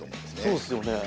そうっすよね。